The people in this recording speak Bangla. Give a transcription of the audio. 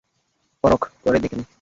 পরখ করে দেখে নে।